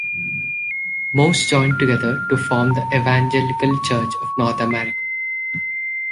Most joined together to form the Evangelical Church of North America.